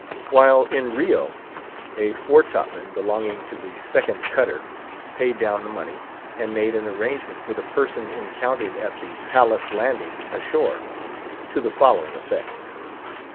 While in Rio, a fore top man, belonging to the second cutter, paid down the money, and made an arrangement with a person encountered at the Palace landing ashore, to the following effect.